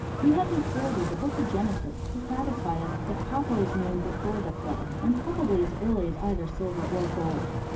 We have the authority of tfa^. Book of Genesis to satisfy us that copper was Iqiow^. before the flood, and probably as early as either silvQC. or gold.